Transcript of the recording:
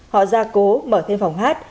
họ ra cố mở thêm phòng hát